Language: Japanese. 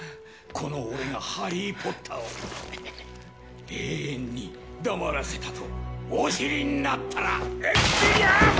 この俺がハリー・ポッターを永遠に黙らせたとお知りになったらエクスペリアームス！